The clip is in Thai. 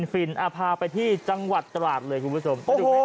ฟินพาไปที่จังหวัดตราดเลยคุณผู้ชม